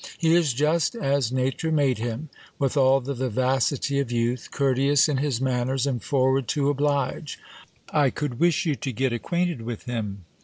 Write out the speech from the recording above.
He is just as nature made him, with all the vivacity of youth, courteous in his manners, and forward to oblige ; I could wish you to get ac quainted with him.